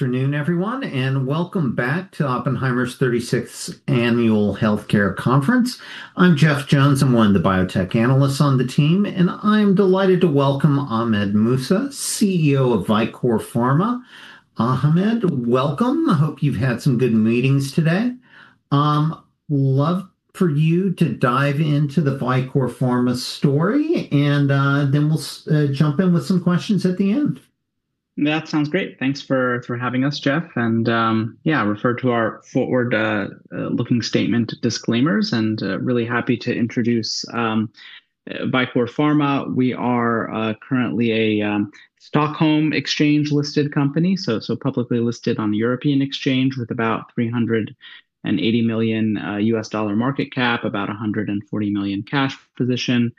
Afternoon, everyone. Welcome back to Oppenheimer's 36th Annual Healthcare Conference. I'm Jeff Jones. I'm one of the biotech analysts on the team. I'm delighted to welcome Ahmed Mousa, CEO of Vicore Pharma. Ahmed, welcome. I hope you've had some good meetings today. Love for you to dive into the Vicore Pharma story, and then we'll jump in with some questions at the end. Thanks for having us, Jeff. I refer to our forward-looking statement disclaimers. Really happy to introduce Vicore Pharma. We are currently a Nasdaq Stockholm Exchange-listed company, so publicly listed on the European Exchange, with about a $380 million market cap, about a $140 million cash position,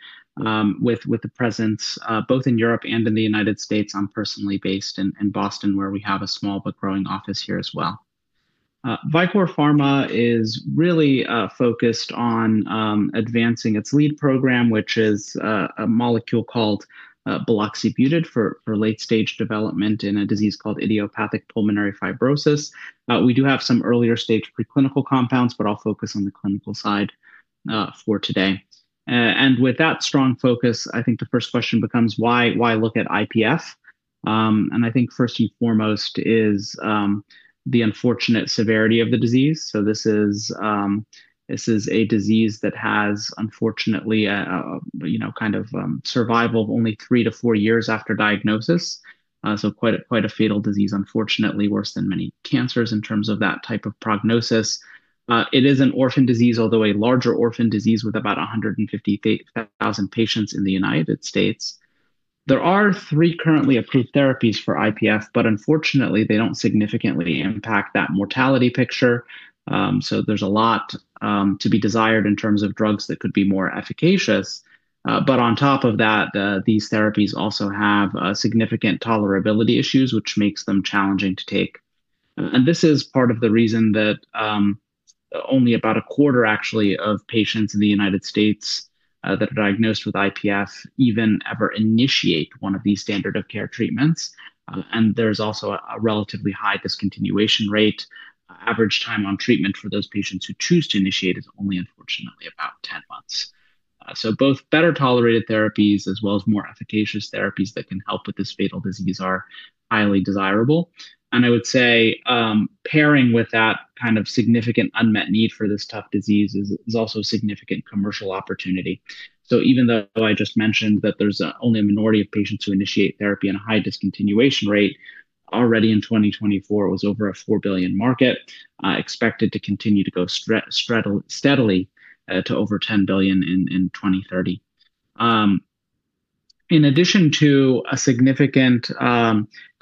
with a presence both in Europe and in the United States. I'm personally based in Boston, where we have a small but growing office here as well. Vicore Pharma is really focused on advancing its lead program, which is a molecule called buloxibutid, for late-stage development in a disease called idiopathic pulmonary fibrosis. We do have some earlier-stage preclinical compounds, but I'll focus on the clinical side for today. With that strong focus, I think the first question becomes: Why look at IPF? I think first and foremost is the unfortunate severity of the disease. This is a disease that has, unfortunately, a, you know, kind of survival of only three to four years after diagnosis. Quite a fatal disease, unfortunately, worse than many cancers in terms of that type of prognosis. It is an orphan disease, although a larger orphan disease, with about 150,000 patients in the United States. There are three currently approved therapies for IPF, but unfortunately, they don't significantly impact that mortality picture. There's a lot to be desired in terms of drugs that could be more efficacious. On top of that, these therapies also have significant tolerability issues, which makes them challenging to take. This is part of the reason that only about a quarter actually of patients in the United States that are diagnosed with IPF even ever initiate one of these standard of care treatments, and there's also a relatively high discontinuation rate. Average time on treatment for those patients who choose to initiate is only, unfortunately, about 10 months. Both better-tolerated therapies as well as more efficacious therapies that can help with this fatal disease are highly desirable. I would say, pairing with that kind of significant unmet need for this tough disease is also a significant commercial opportunity. Even though I just mentioned that there's only a minority of patients who initiate therapy and a high discontinuation rate, already in 2024, it was over a $4 billion market expected to continue to go steadily to over $10 billion in 2030. In addition to a significant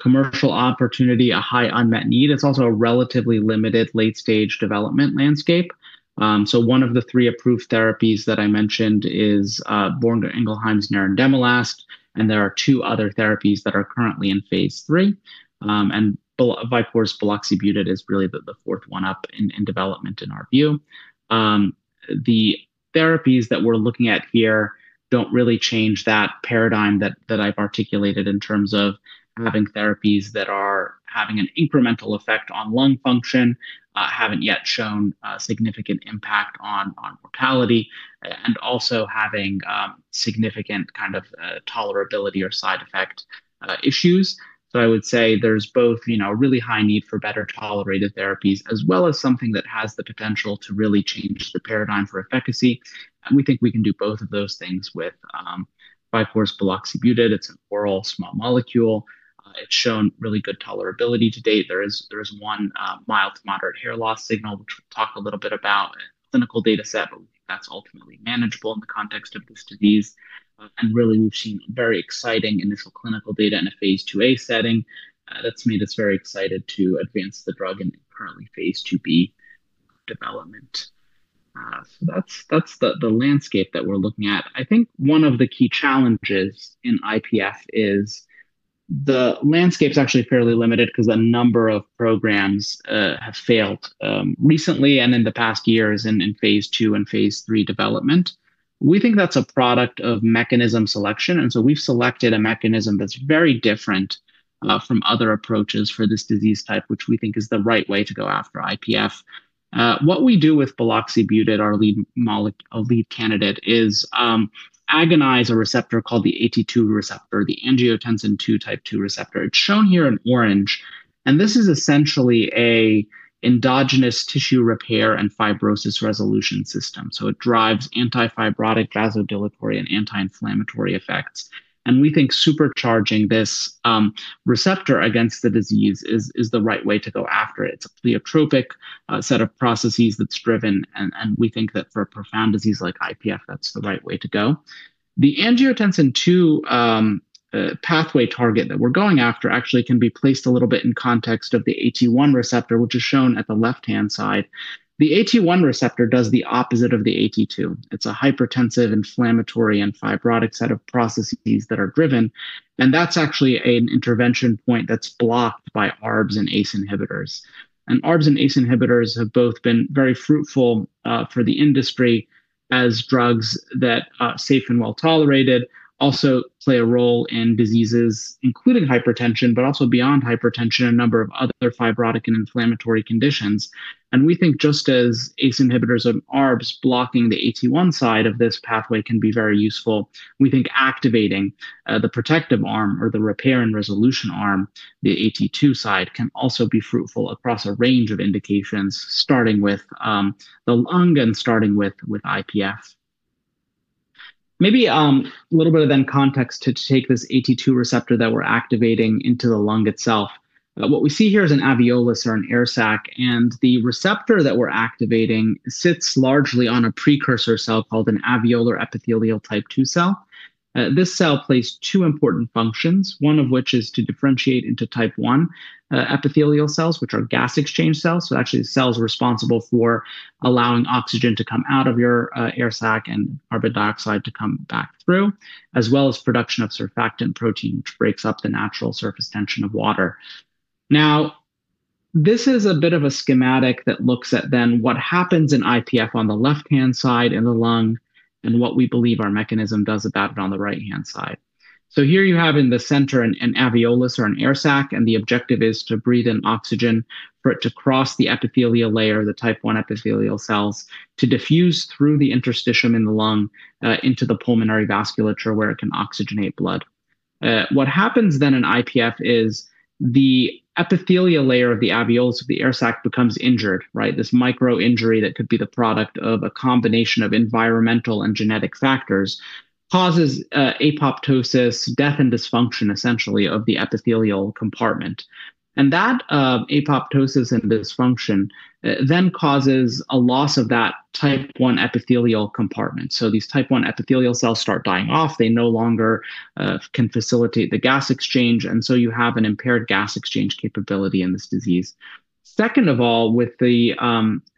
commercial opportunity, a high unmet need, it's also a relatively limited late-stage development landscape. One of the three approved therapies that I mentioned is Boehringer Ingelheim's nintedanib, and there are two other therapies that are currently in phase III. Vicore's buloxibutid is really the fourth one up in development in our view. The therapies that we're looking at here don't really change that paradigm that I've articulated in terms of having therapies that are having an incremental effect on lung function, haven't yet shown a significant impact on mortality, and also having significant kind of tolerability or side effect issues. I would say there's both, you know, a really high need for better-tolerated therapies, as well as something that has the potential to really change the paradigm for efficacy, and we think we can do both of those things with Vicore's buloxibutid. It's an oral small molecule. It's shown really good tolerability to date. There is one mild to moderate hair loss signal, which we'll talk a little bit about in a clinical data set, but that's ultimately manageable in the context of this disease. Really, we've seen very exciting initial clinical data in a phase II-A setting. That's made us very excited to advance the drug in currently phase IIb development. That's the landscape that we're looking at. I think one of the key challenges in IPF is the landscape's actually fairly limited because a number of programs have failed recently and in the past years in phase II and phase III development. We think that's a product of mechanism selection, we've selected a mechanism that's very different from other approaches for this disease type, which we think is the right way to go after IPF. What we do with buloxibutid, our lead candidate, is agonize a receptor called the AT2 receptor, the angiotensin II type 2 receptor. It's shown here in orange. This is essentially a endogenous tissue repair and fibrosis resolution system, it drives anti-fibrotic, vasodilatory, and anti-inflammatory effects. We think supercharging this receptor against the disease is the right way to go after it. It's a pleiotropic set of processes that's driven, and we think that for a profound disease like IPF, that's the right way to go. The angiotensin II pathway target that we're going after actually can be placed a little bit in context of the AT1 receptor, which is shown at the left-hand side. The AT1 receptor does the opposite of the AT2. It's a hypertensive, inflammatory, and fibrotic set of processes that are driven, that's actually an intervention point that's blocked by ARBs and ACE inhibitors. ARBs and ACE inhibitors have both been very fruitful for the industry as drugs that are safe and well tolerated, also play a role in diseases including hypertension, but also beyond hypertension, a number of other fibrotic and inflammatory conditions. We think just as ACE inhibitors and ARBs blocking the AT1 side of this pathway can be very useful, we think activating the protective arm or the repair and resolution arm, the AT2 side, can also be fruitful across a range of indications, starting with the lung and starting with IPF. Maybe a little bit of then context to take this AT2 receptor that we're activating into the lung itself. What we see here is an alveolus or an air sac, and the receptor that we're activating sits largely on a precursor cell called an alveolar epithelial type 2 cell. This cell plays two important functions, one of which is to differentiate into type 1 epithelial cells, which are gas exchange cells. Actually the cells responsible for allowing oxygen to come out of your air sac and carbon dioxide to come back through, as well as production of surfactant protein, which breaks up the natural surface tension of water. This is a bit of a schematic that looks at what happens in IPF on the left-hand side in the lung, and what we believe our mechanism does about it on the right-hand side. Here you have in the center an alveolus or an air sac. The objective is to breathe in oxygen for it to cross the epithelial layer, the type 1 epithelial cells, to diffuse through the interstitium in the lung, into the pulmonary vasculature, where it can oxygenate blood. What happens then in IPF is the epithelial layer of the alveolus of the air sac becomes injured, right? This micro injury that could be the product of a combination of environmental and genetic factors, causes apoptosis, death, and dysfunction essentially, of the epithelial compartment. That apoptosis and dysfunction causes a loss of that type one epithelial compartment. These type 1 epithelial cells start dying off. They no longer can facilitate the gas exchange, you have an impaired gas exchange capability in this disease. Second of all, with the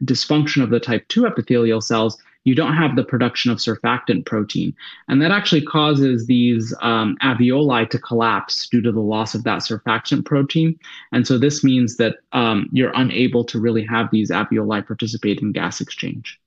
dysfunction of the type 2 epithelial cells, you don't have the production of surfactant protein, that actually causes these alveoli to collapse due to the loss of that surfactant protein. This means that you're unable to really have these alveoli participate in gas exchange.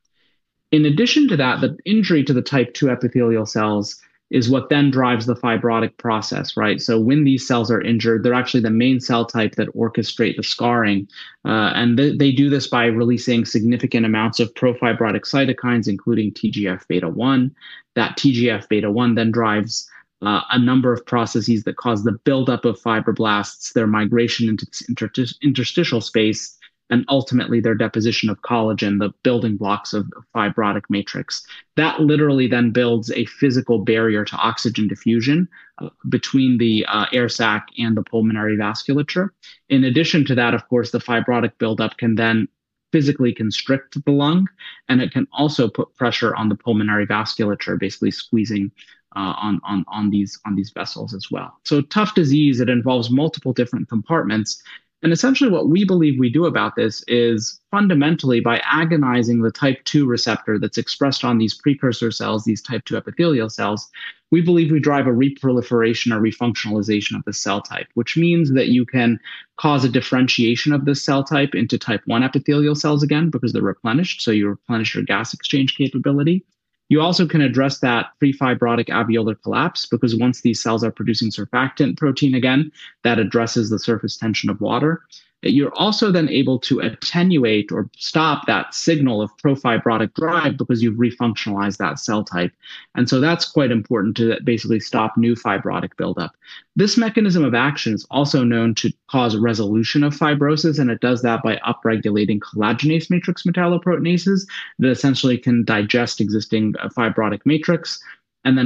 In addition to that, the injury to the type 2 epithelial cells is what then drives the fibrotic process, right? When these cells are injured, they're actually the main cell type that orchestrate the scarring, and they do this by releasing significant amounts of pro-fibrotic cytokines, including TGF-beta 1. That TGF-beta 1 then drives a number of processes that cause the buildup of fibroblasts, their migration into this interstitial space, and ultimately their deposition of collagen, the building blocks of fibrotic matrix. That literally then builds a physical barrier to oxygen diffusion between the air sac and the pulmonary vasculature. In addition to that, of course, the fibrotic buildup can then physically constrict the lung, and it can also put pressure on the pulmonary vasculature, basically squeezing on these vessels as well. Tough disease, it involves multiple different compartments. Essentially what we believe we do about this is fundamentally by agonizing the type 2 receptor that's expressed on these precursor cells, these type 2 epithelial cells, we believe we drive a reproliferation or refunctionalization of the cell type. Which means that you can cause a differentiation of this cell type into type 1 epithelial cells again, because they're replenished, so you replenish your gas exchange capability. You also can address that pre-fibrotic alveolar collapse because once these cells are producing surfactant protein again, that addresses the surface tension of water. You're also then able to attenuate or stop that signal of pro-fibrotic drive because you've refunctionalized that cell type. That's quite important to basically stop new fibrotic buildup. This mechanism of action is also known to cause resolution of fibrosis, and it does that by upregulating collagenase matrix metalloproteinases that essentially can digest existing fibrotic matrix.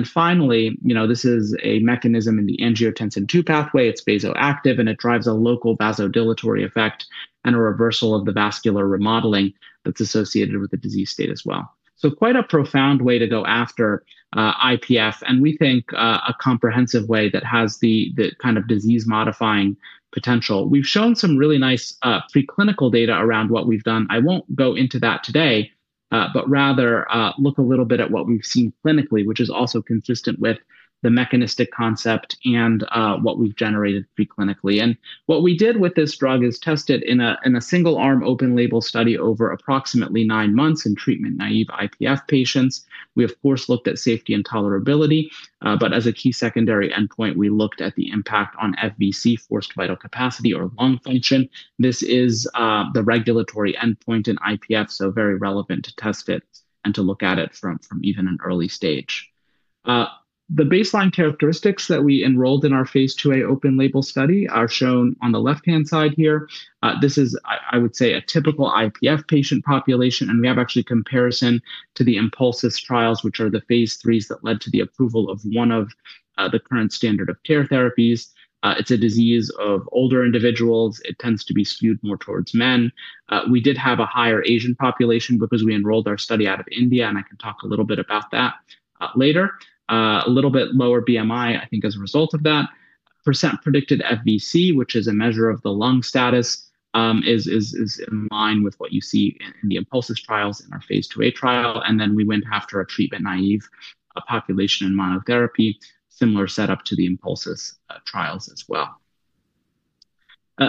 Finally, you know, this is a mechanism in the angiotensin II pathway. It's vasoactive, and it drives a local vasodilatory effect and a reversal of the vascular remodeling that's associated with the disease state as well. Quite a profound way to go after IPF, and we think a comprehensive way that has the kind of disease-modifying potential. We've shown some really nice preclinical data around what we've done. I won't go into that today, but rather, look a little bit at what we've seen clinically, which is also consistent with the mechanistic concept and what we've generated preclinically. What we did with this drug is test it in a single-arm open label study over approximately nine months in treatment-naive IPF patients. We, of course, looked at safety and tolerability, but as a key secondary endpoint, we looked at the impact on FVC, forced vital capacity or lung function. This is the regulatory endpoint in IPF, so very relevant to test it and to look at it from even an early stage. The baseline characteristics that we enrolled in our phase II-A open label study are shown on the left-hand side here. This is I would say, a typical IPF patient population, and we have actually comparison to the INPULSIS trials, which are the phase III that led to the approval of one of the current standard of care therapies. It's a disease of older individuals. It tends to be skewed more towards men. We did have a higher Asian population because we enrolled our study out of India, and I can talk a little bit about that later. A little bit lower BMI, I think, as a result of that. Percent predicted FVC, which is a measure of the lung status, is in line with what you see in the INPULSIS trials, in our phase II-A trial, and then we went after a treatment-naive population in monotherapy, similar setup to the INPULSIS trials as well.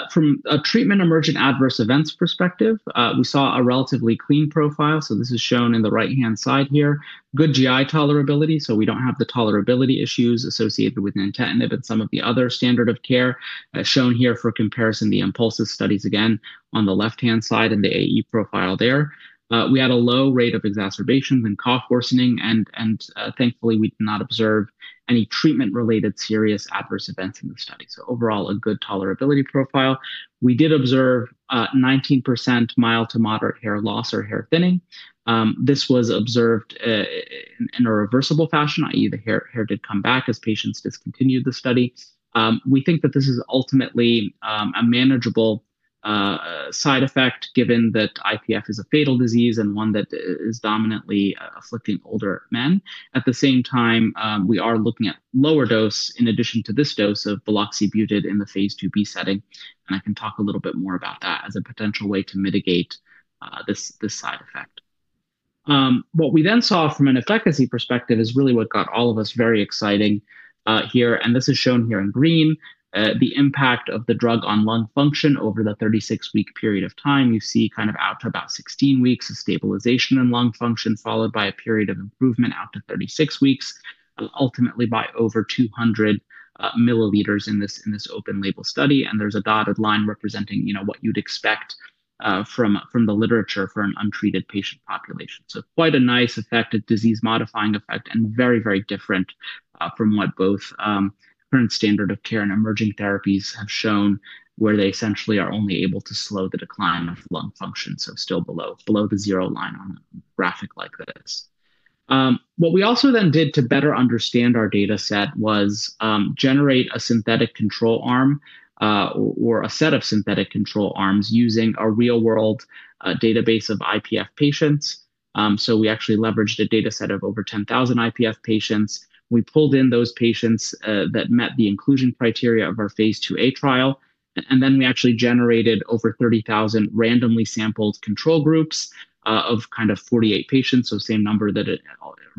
From a treatment-emergent adverse events perspective, we saw a relatively clean profile. This is shown in the right-hand side here. Good GI tolerability. We don't have the tolerability issues associated with nintedanib and some of the other standard of care, shown here for comparison, the INPULSIS studies, again, on the left-hand side and the AE profile there. We had a low rate of exacerbations and cough worsening, and thankfully, we did not observe any treatment-related serious adverse events in the study. Overall, a good tolerability profile. We did observe 19% mild to moderate hair loss or hair thinning. This was observed in a reversible fashion, i.e., the hair did come back as patients discontinued the study. We think that this is ultimately a manageable-a side effect, given that IPF is a fatal disease and one that is dominantly afflicting older men. At the same time, we are looking at lower dose in addition to this dose of buloxibutid in the phase II-B setting, and I can talk a little bit more about that as a potential way to mitigate this side effect. What we then saw from an efficacy perspective is really what got all of us very exciting here, and this is shown here in green. The impact of the drug on lung function over the 36-week period of time, you see kind of out to about 16 weeks, a stabilization in lung function, followed by a period of improvement out to 36 weeks, ultimately by over 200 ml in this open label study. There's a dotted line representing, you know, what you'd expect from the literature for an untreated patient population. Quite a nice effect, a disease-modifying effect, and very, very different from what both current standard of care and emerging therapies have shown, where they essentially are only able to slow the decline of lung function, so still below the zero line on a graphic like this. What we also then did to better understand our data set was generate a synthetic control arm, or a set of synthetic control arms using a real-world database of IPF patients. We actually leveraged a data set of over 10,000 IPF patients. We pulled in those patients, that met the inclusion criteria of our phase II-A trial, and then we actually generated over 30,000 randomly sampled control groups, of kind of 48 patients, so same number that it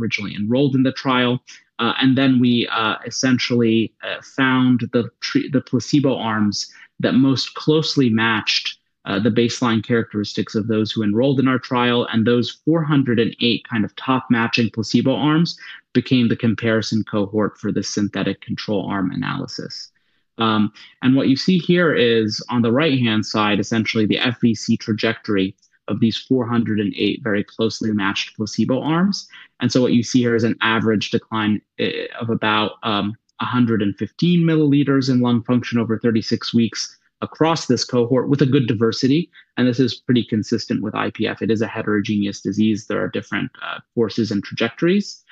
originally enrolled in the trial. We essentially found the placebo arms that most closely matched the baseline characteristics of those who enrolled in our trial, and those 408 kind of top matching placebo arms became the comparison cohort for the synthetic control arm analysis. What you see here is, on the right-hand side, essentially the FVC trajectory of these 408 very closely matched placebo arms. What you see here is an average decline of about 115 ml in lung function over 36 weeks across this cohort with a good diversity, and this is pretty consistent with IPF. It is a heterogeneous disease. There are different courses and trajectories.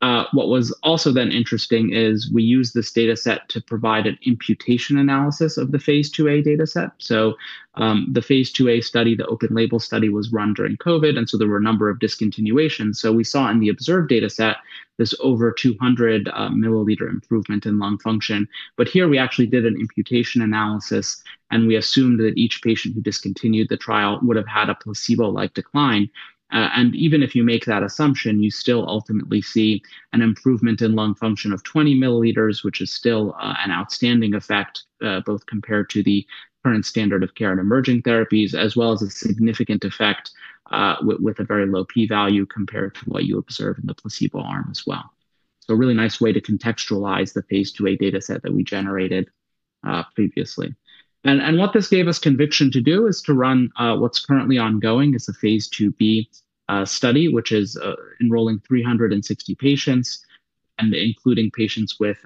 What was also then interesting is we used this data set to provide an imputation analysis of the phase II-A data set. The phase II-A study, the open label study, was run during COVID, and there were a number of discontinuations. We saw in the observed data set this over 200-millilitre improvement in lung function. Here we actually did an imputation analysis, and we assumed that each patient who discontinued the trial would have had a placebo-like decline. Even if you make that assumption, you still ultimately see an improvement in lung function of 20 ml, which is still an outstanding effect, both compared to the current standard of care and emerging therapies, as well as a significant effect with a very low p-value compared to what you observe in the placebo arm as well. A really nice way to contextualize the phase II-A data set that we generated previously. What this gave us conviction to do is to run what's currently ongoing. It's a phase IIb study, which is enrolling 360 patients, and including patients with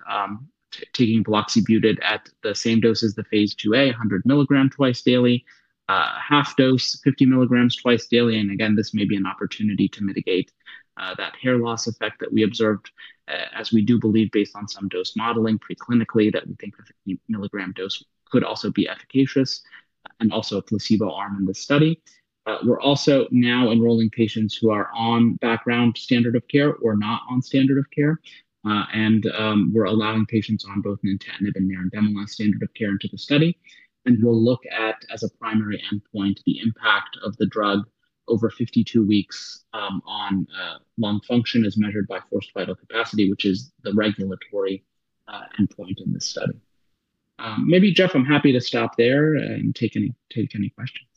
taking buloxibutid at the same dose as the phase II-A, 100 mg twice daily, half dose, 50 mg twice daily. Again, this may be an opportunity to mitigate that hair loss effect that we observed, as we do believe, based on some dose modeling preclinically, that we think a 50-milligram dose could also be efficacious and also a placebo arm in this study. We're also now enrolling patients who are on background standard of care or not on standard of care, and we're allowing patients on both nintedanib and pirfenidone standard of care into the study. We'll look at, as a primary endpoint, the impact of the drug over 52 weeks on lung function as measured by forced vital capacity, which is the regulatory endpoint in this study. Maybe, Jeff, I'm happy to stop there and take any questions.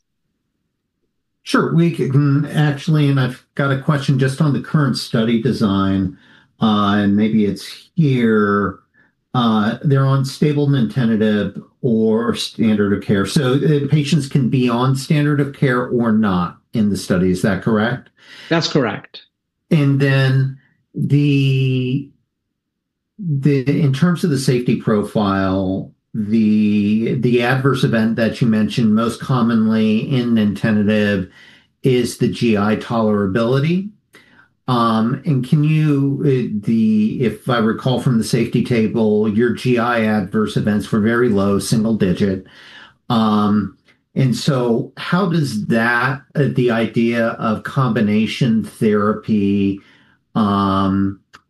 Sure, we can actually... I've got a question just on the current study design, and maybe it's here. They're on stable nintedanib or standard of care. The patients can be on standard of care or not in the study. Is that correct? That's correct. Then in terms of the safety profile, the adverse event that you mentioned most commonly in nintedanib is the GI tolerability. If I recall from the safety table, your GI adverse events were very low, single digit. So how does that, the idea of combination therapy,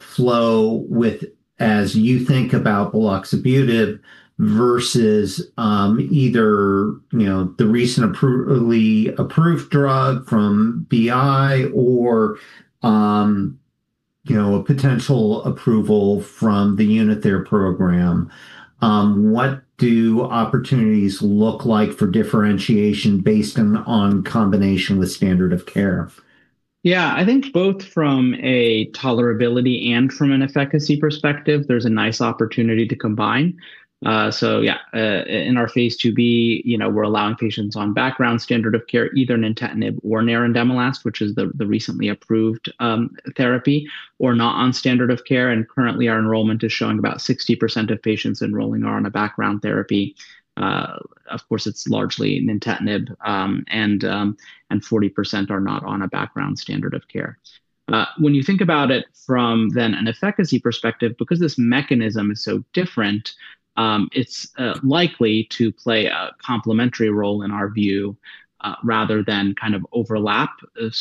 flow with, as you think about buloxibutid versus, either, you know, the recent approved drug from BI or, you know, a potential approval from the Unither program? What do opportunities look like for differentiation based on combination with standard of care? I think both from a tolerability and from an efficacy perspective, there's a nice opportunity to combine. In our phase II-B, you know, we're allowing patients on background standard of care, either nintedanib or pirfenidone, which is the recently approved therapy or not on standard of care. Currently, our enrollment is showing about 60% of patients enrolling are on a background therapy. Of course, it's largely nintedanib, and 40% are not on a background standard of care. When you think about it from an efficacy perspective, because this mechanism is so different, it's likely to play a complementary role in our view, rather than kind of overlap.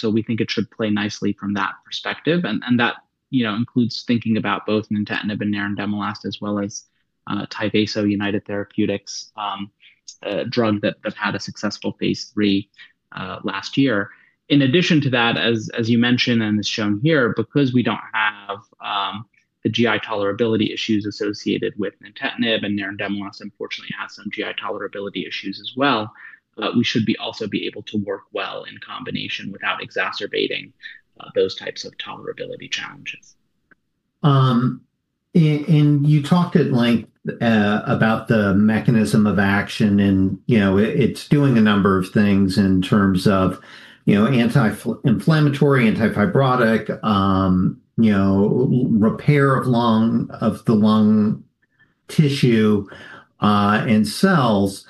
We think it should play nicely from that perspective, that-...you know, includes thinking about both nintedanib and nerandomilast, as well as TYVASO, United Therapeutics, drug that had a successful phase III last year. In addition to that, as you mentioned, and is shown here, because we don't have the GI tolerability issues associated with nintedanib, and nerandomilast unfortunately has some GI tolerability issues as well, we should also be able to work well in combination without exacerbating those types of tolerability challenges. And you talked at length about the mechanism of action, and, you know, it's doing a number of things in terms of, you know, anti-inflammatory, anti-fibrotic, you know, repair of the lung tissue, and cells.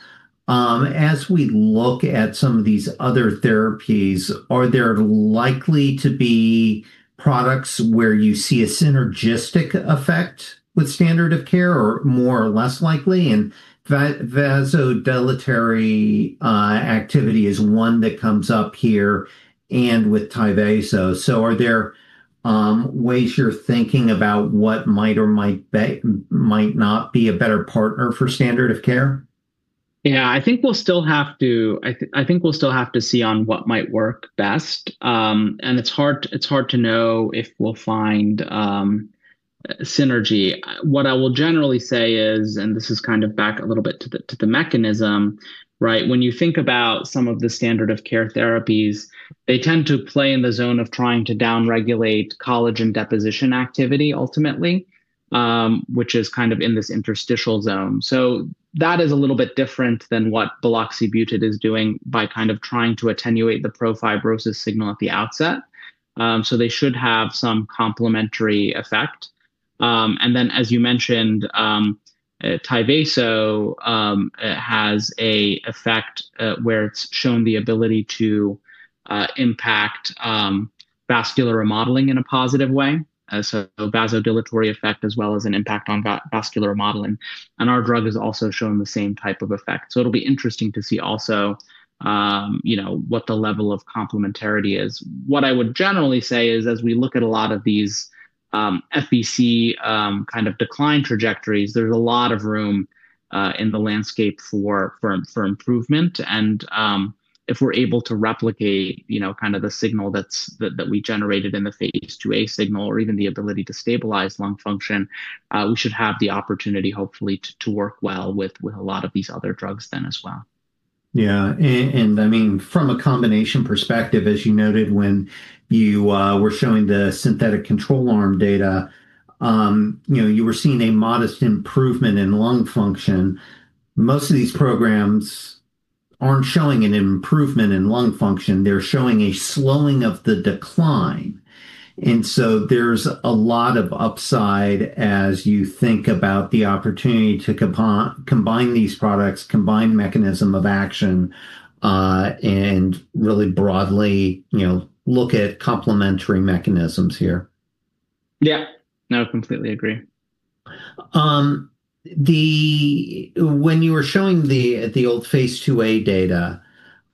As we look at some of these other therapies, are there likely to be products where you see a synergistic effect with standard of care, or more or less likely? Vasodilatory activity is one that comes up here and with TYVASO. Are there ways you're thinking about what might or might not be a better partner for standard of care? I think we'll still have to see on what might work best. It's hard, it's hard to know if we'll find synergy. What I will generally say is, this is kind of back a little bit to the mechanism, right? When you think about some of the standard of care therapies, they tend to play in the zone of trying to downregulate collagen deposition activity ultimately, which is kind of in this interstitial zone. That is a little bit different than what buloxibutid is doing by kind of trying to attenuate the pro-fibrosis signal at the outset. They should have some complementary effect. As you mentioned, TYVASO has a effect where it's shown the ability to impact vascular remodeling in a positive way, as a vasodilatory effect, as well as an impact on vascular remodeling. Our drug is also showing the same type of effect. It'll be interesting to see also, you know, what the level of complementarity is. What I would generally say is, as we look at a lot of these FVC kind of decline trajectories, there's a lot of room in the landscape for improvement. If we're able to replicate, you know, kind of the signal that we generated in the phase II-A signal or even the ability to stabilize lung function, we should have the opportunity, hopefully, to work well with a lot of these other drugs then as well. Yeah. I mean, from a combination perspective, as you noted when you were showing the synthetic control arm data, you know, you were seeing a modest improvement in lung function. Most of these programs aren't showing an improvement in lung function, they're showing a slowing of the decline. There's a lot of upside as you think about the opportunity to combine these products, combine mechanism of action, and really broadly, you know, look at complementary mechanisms here. Yeah. No, completely agree. When you were showing the old phase II-A data,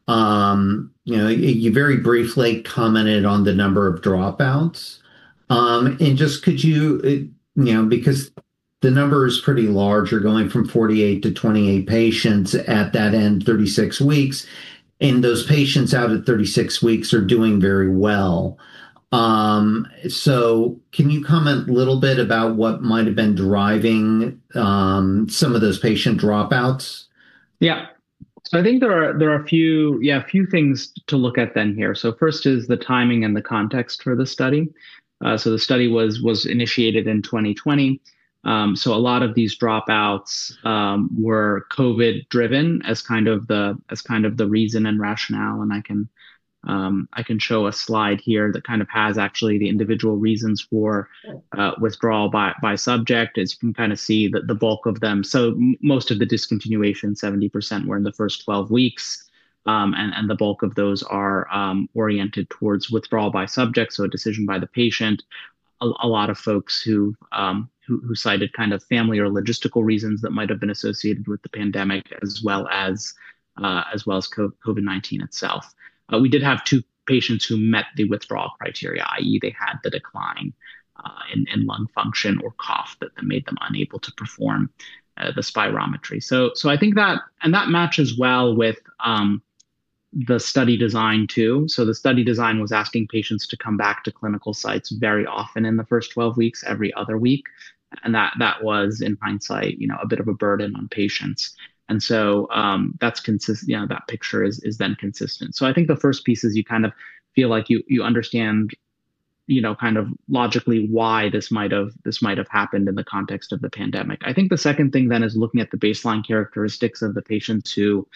you know, you very briefly commented on the number of dropouts. Just could you know, because the number is pretty large, you're going from 48 to 28 patients at that end, 36 weeks, and those patients out at 36 weeks are doing very well. Can you comment a little bit about what might have been driving some of those patient dropouts? Yeah. I think there are a few things to look at then here. First is the timing and the context for the study. The study was initiated in 2020. A lot of these dropouts were COVID driven as kind of the reason and rationale, and I can show a slide here that kind of has actually the individual reasons. Yeah. withdrawal by subject. As you can kind of see that the bulk of them. Most of the discontinuation, 70%, were in the first 12 weeks, and the bulk of those are oriented towards withdrawal by subject, so a decision by the patient. A lot of folks who cited kind of family or logistical reasons that might have been associated with the pandemic, as well as COVID-19 itself. We did have two patients who met the withdrawal criteria, i.e., they had the decline in lung function or cough that made them unable to perform the spirometry. I think that and that matches well with the study design too. The study design was asking patients to come back to clinical sites very often in the first 12 weeks, every other week, and that was, in hindsight, you know, a bit of a burden on patients. That's you know, that picture is then consistent. I think the first piece is you kind of feel like you understand, you know, kind of logically why this might have happened in the context of the pandemic. I think the second thing then is looking at the baseline characteristics of the patients who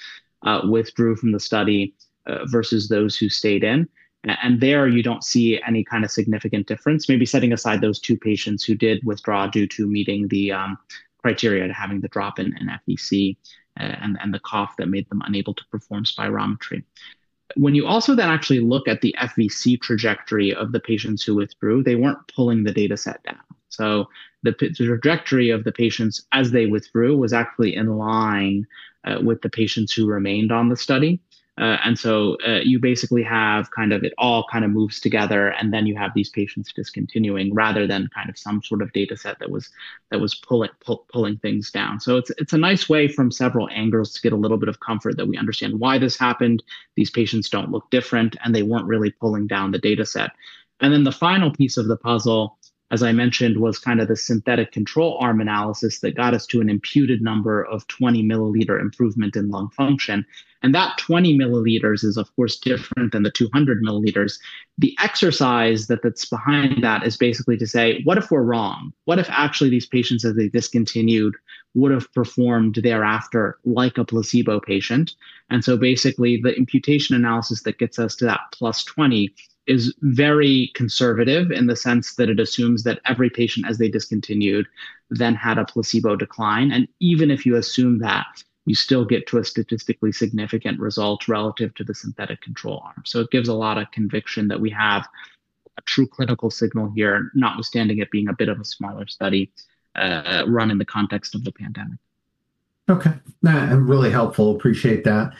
withdrew from the study versus those who stayed in. There, you don't see any kind of significant difference, maybe setting aside those two patients who did withdraw due to meeting the criteria to having the drop in FVC and the cough that made them unable to perform spirometry. You also then actually look at the FVC trajectory of the patients who withdrew, they weren't pulling the data set down. The trajectory of the patients as they withdrew was actually in line with the patients who remained on the study. You basically have kind of it all kind of moves together, and then you have these patients discontinuing rather than kind of some sort of data set that was pulling things down. It's a nice way from several angles to get a little bit of comfort that we understand why this happened, these patients don't look different, and they weren't really pulling down the data set. The final piece of the puzzle, as I mentioned, was kind of the synthetic control arm analysis that got us to an imputed number of 20-milliliter improvement in lung function, and that 20 ml is, of course, different than the 200 ml. The exercise that's behind that is basically to say: What if we're wrong? What if actually these patients, as they discontinued, would've performed thereafter like a placebo patient? Basically, the imputation analysis that gets us to that +20 ml is very conservative in the sense that it assumes that every patient, as they discontinued, then had a placebo decline. Even if you assume that, you still get to a statistically significant result relative to the synthetic control arm. It gives a lot of conviction that we have a true clinical signal here, notwithstanding it being a bit of a smaller study, run in the context of the pandemic. Okay. Really helpful. Appreciate that.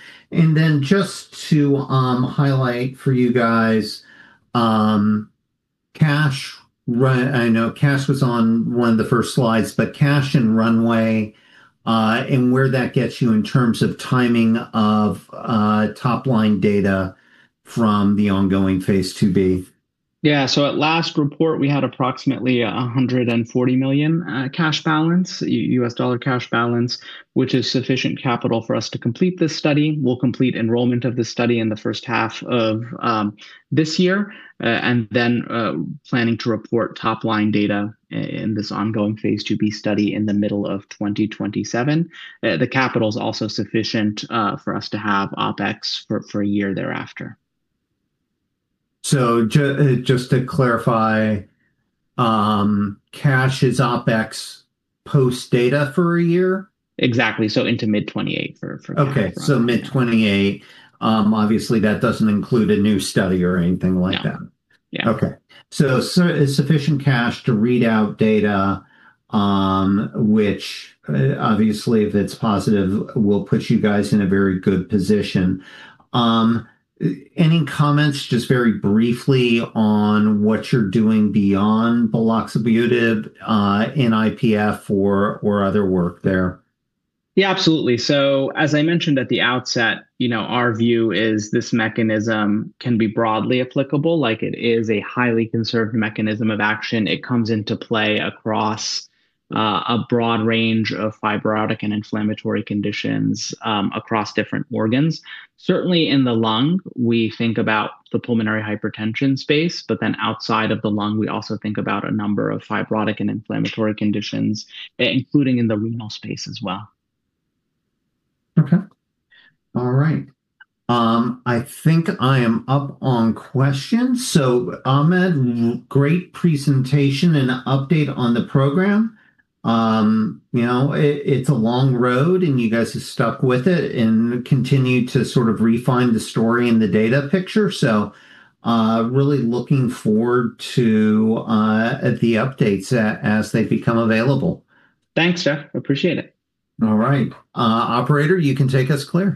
Just to highlight for you guys, I know cash was on one of the first slides, but cash and runway, and where that gets you in terms of timing of top-line data from the ongoing phase II-B. Yeah. At last report, we had approximately $140 million cash balance, U.S. dollar cash balance, which is sufficient capital for us to complete this study. We'll complete enrolment of this study in the first half of this year, planning to report top-line data in this ongoing phase II-B study in the middle of 2027. The capital's also sufficient for us to have OpEx for a year thereafter. Just to clarify, cash is OpEx post-data for a year? Exactly. into mid 2028. Okay. mid 2028. Obviously, that doesn't include a new study or anything like that? No. Yeah. Okay. Sufficient cash to read out data, which, obviously, if it's positive, will put you guys in a very good position. Any comments, just very briefly, on what you're doing beyond buloxibutid, in IPF or other work there? Yeah, absolutely. As I mentioned at the outset, you know, our view is this mechanism can be broadly applicable, like it is a highly conserved mechanism of action. It comes into play across a broad range of fibrotic and inflammatory conditions across different organs. Certainly in the lung, we think about the pulmonary hypertension space, but then outside of the lung, we also think about a number of fibrotic and inflammatory conditions, including in the renal space as well. Okay. All right. I think I am up on questions. Ahmed, great presentation and update on the program. You know, it's a long road, and you guys have stuck with it and continued to sort of refine the story and the data picture. Really looking forward to the updates as they become available. Thanks, Jeff. Appreciate it. All right. operator, you can take us clear.